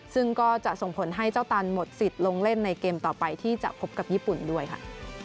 ซึ่งก็จะส่งผลให้เจ้าตันหมดสิทธิ์ลงเล่นในเกมต่อไปที่จะพบกับญี่ปุ่นด้วยค่ะ